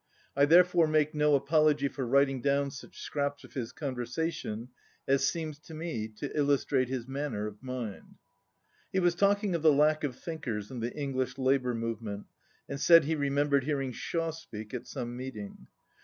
I therefore make no apology for writing down such scraps of his conversation as seem to me to illustrate his manner of mind. He was talking of the lack of thinkers in the English labour movement, and said he remembered hearing Shaw speak at some meeting.